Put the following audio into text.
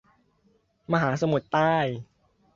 มหาสมุทรใต้